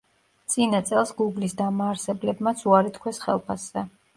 წინა წელს „გუგლის“ დამაარსებლებმაც უარი თქვეს ხელფასზე.